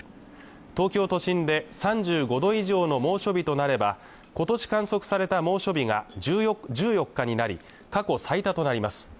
東京都心で３５度以上の猛暑日となればことし観測された猛暑日が１４日になり過去最多となります